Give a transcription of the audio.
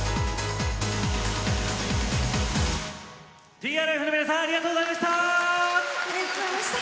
ＴＲＦの皆さんありがとうございました。